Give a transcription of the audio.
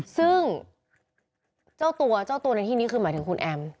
ซึ่งเจ้าตัวเจ้าตัวในที่นี้คือหมายถึงคุณแอม